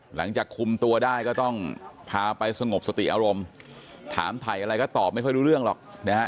หลังจากคุมตัวได้ก็ต้องพาไปสงบสติอารมณ์ถามถ่ายอะไรก็ตอบไม่ค่อยรู้เรื่องหรอกนะฮะ